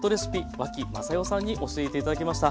脇雅世さんに教えて頂きました。